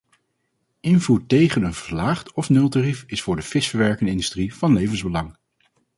Invoer tegen een verlaagd of nultarief is voor de visverwerkende industrie van levensbelang.